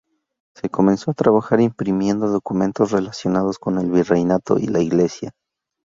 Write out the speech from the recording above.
Se comenzó a trabajar imprimiendo documentos relacionados con el virreinato y la Iglesia.